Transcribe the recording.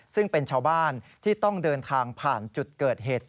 ซึ่งเป็นชาวบ้านที่ต้องเดินทางผ่านจุดเกิดเหตุ